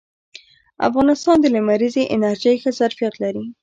افغانستان د لمریزې انرژۍ ښه ظرفیت لري